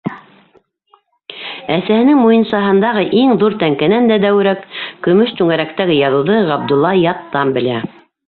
Әсәһенең муйынсаһындағы иң ҙур тәңкәнән дә дәүерәк көмөш түңәрәктәге яҙыуҙы Ғабдулла яттан белә.